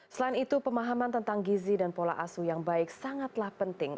selain itu pemahaman tentang gizi dan pola asu yang baik sangatlah penting